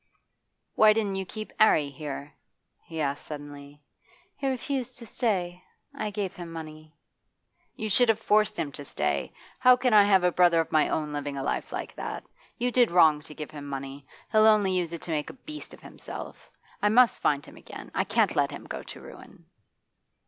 'Why didn't you keep 'Arry here?' he asked suddenly. 'He refused to stay. I gave him money.' 'You should have forced him to stay How can I have a brother of my own living a life like that? You did wrong to give him money. He'll only use it to make a beast of himself. I must find him again; I can't let him go to ruin.